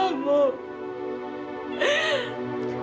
saya salah sama kamu